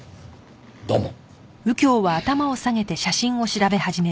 どうも。